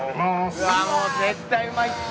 うわもう絶対うまいって。